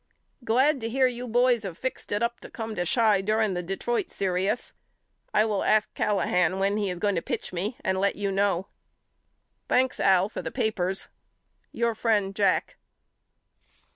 Glad to hear you boys have fixed it up to come to Chi during the Detroit serious. I will ask Calla han when he is going to pitch me and let you know. Thanks Al for the papers. Your friend, JACK.